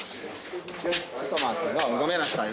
ごめんなさい。